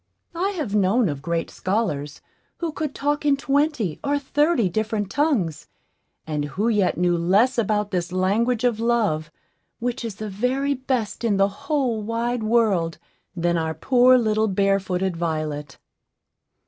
I have known of great scholars, who could talk in twenty or thirty different tongues, and who yet knew less about this language of Love, which is the very best in the whole wide world, than our poor little barefooted Violet.